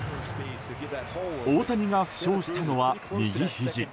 大谷が負傷したのは右ひじ。